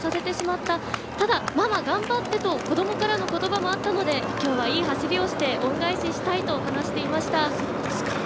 ただ、ママ頑張ってという子どもからの応援もあったので今日はいい走りをして恩返ししたいと話していました。